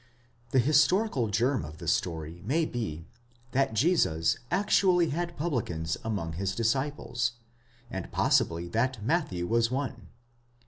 The historical germ of the story may be, that Jesus actually had publicans among his disciples, and possibly that Matthew was one.